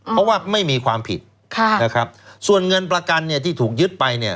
เพราะว่าไม่มีความผิดส่วนเงินประกันที่ถูกยึดไป